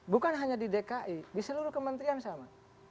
bukan hanya di dki di seluruh kementerian sama